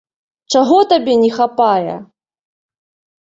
Чаго табе не хапае?